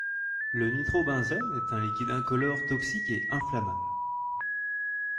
Le nitrobenzène est un liquide incolore toxique et inflammable.